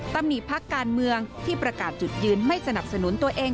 ที่ประกาศจุดยืนไม่สนับสนุนตัวเอง